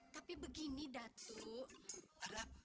tapi begini datuk